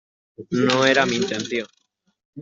No era mi intención.